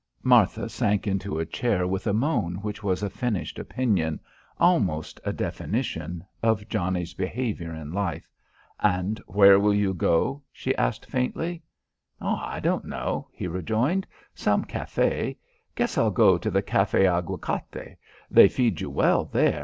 Martha sank into a chair with a moan which was a finished opinion almost a definition of Johnnie's behaviour in life. "And where will you go?" she asked faintly. "Oh, I don't know," he rejoined. "Some café. Guess I'll go to the Café Aguacate. They feed you well there.